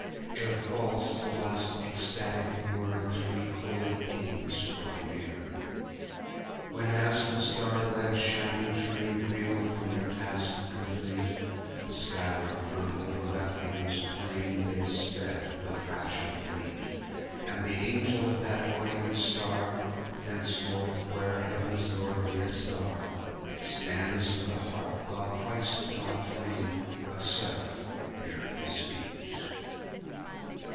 Ere falls the last ecstatic word Three Holy Kings draw near. Whenas the star led shining train Wheeled from their task complete, Skyward from over Bethlehem's plain They sped with rapture fleet; And the angel of that orient star, Thenceforth where Heaven's lordliest are, Stands with a harp, while Christ doth reign, A seraph near His feet.